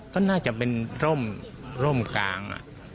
ก็น่าจะเป็นร่มร่มกลาง